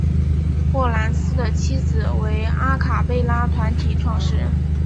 霍蓝斯的妻子为阿卡贝拉团体创始人。